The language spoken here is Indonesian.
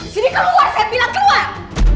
sini keluar saya bilang keluar